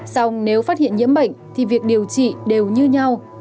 xong nếu phát hiện nhiễm bệnh thì việc điều trị đều như nhau